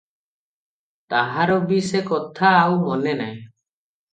ତାହାର ବି ସେ କଥା ଆଉ ମନେ ନାହିଁ ।